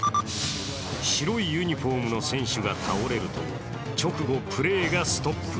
白いユニフォームの選手が倒れると直後、プレーがストップ。